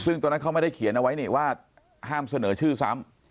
ซึ่งตอนนั้นเขาไม่ได้เขียนเอาไว้นี่ว่าห้ามเสนอชื่อซ้ำ